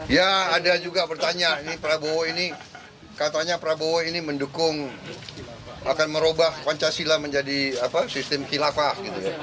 ya ada juga pertanyaan ini prabowo ini katanya prabowo ini mendukung akan merubah pancasila menjadi sistem kilafah